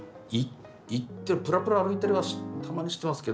行ってぷらぷら歩いたりはたまにしてますけど。